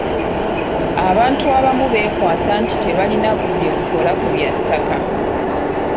Abantu abamu beekwasa nti tebalina budde bukola ku bya ttaka.